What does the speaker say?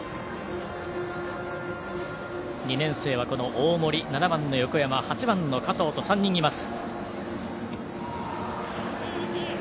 ２年生は大森、７番の横山８番の加藤と３人います。